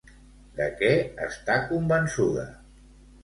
De què està convençuda?